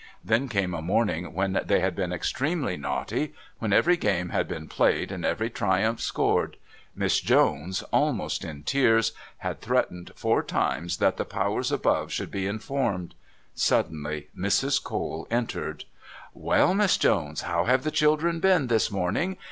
Then came a morning when they had been extremely naughty, when every game had been played and every triumph scored. Miss Jones, almost in tears, had threatened four times that the Powers Above should be informed. Suddenly Mrs. Cole entered. "Well, Miss Jones, how have the children been this morning?